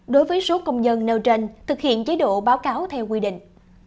đối với số công nhân nêu trên thực hiện chế độ báo cáo theo quy định